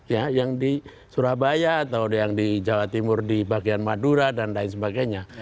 ya yang di surabaya atau yang di jawa timur di bagian madura dan lain sebagainya